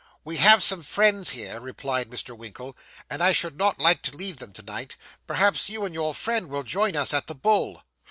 'We have some friends here,' replied Mr. Winkle, 'and I should not like to leave them to night. Perhaps you and your friend will join us at the Bull.